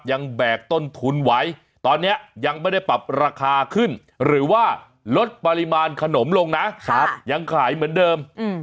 แบกต้นทุนไว้ตอนนี้ยังไม่ได้ปรับราคาขึ้นหรือว่าลดปริมาณขนมลงนะยังขายเหมือนเดิม